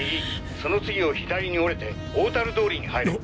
その次を左に折れて大樽通りに入れ！